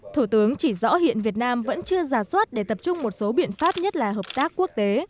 thủ tướng chỉ rõ hiện việt nam vẫn chưa giả soát để tập trung một số biện pháp nhất là hợp tác quốc tế